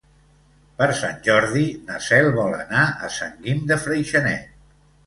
Per Sant Jordi na Cel vol anar a Sant Guim de Freixenet.